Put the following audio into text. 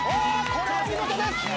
これは見事です！